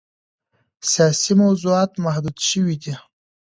سیاسي موضوعات محدود شوي دي.